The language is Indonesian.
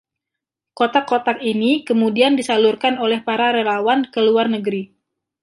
Kotak-kotak ini kemudian disalurkan oleh para relawan ke luar negeri.